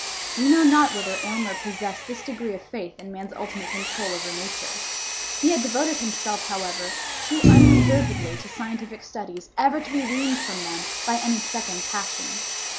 We know not whether Aylmer possessed this degree of faith in man's ultimate control over Nature. He had devoted himself, however, too unreservedly to scientific studies ever to be weaned from them by any second passion.